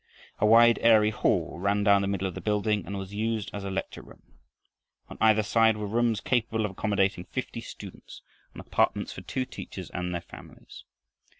A wide, airy hall ran down the middle of the building, and was used as a lecture room. On either side were rooms capable of accommodating fifty students and apartments for two teachers and their families.